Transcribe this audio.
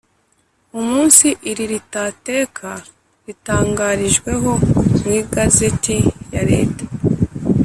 umunsi iri ritateka ritangarijweho mu Igazeti ya leta